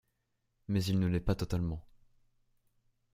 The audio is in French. Mais il ne l'est pas totalement.